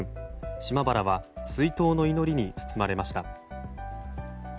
島原は追悼の祈りに包まれました。